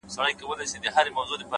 هره پرېکړه نوی مسیر جوړوي,